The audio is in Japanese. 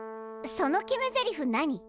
その決めゼリフ何？